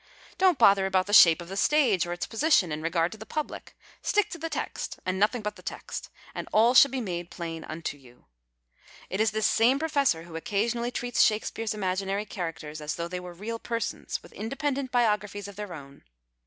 Don't bother about the sha))e of the stage or its position in regard to the pubhe. Stick to the text, and nothing but the text, and all shall be made plain luito you. It is this same professor who occa sionally treats Shakespeare's imaginary characters as though they were real persons, with independent biographies of their own.